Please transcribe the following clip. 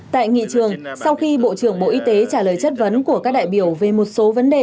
tại nghị trường sau khi bộ trưởng bộ y tế trả lời chất vấn của các đại biểu về một số vấn đề